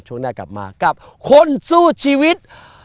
ช่วงหน้ากลับมากับคนสู้ชีวิต